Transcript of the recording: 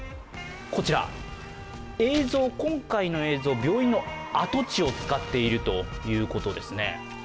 今回の映像、病院の跡地を使っているということですね。